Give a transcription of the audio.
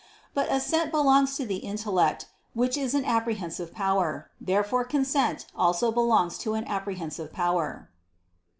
But assent belongs to the intellect, which is an apprehensive power. Therefore consent also belongs to an apprehensive power.